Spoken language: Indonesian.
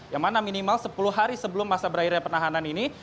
yang mana minimal sepuluh hari sebelum masa berakhirnya penahanan ini